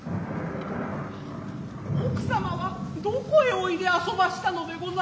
夫人は何処へおいで遊ばしたのでございますえ。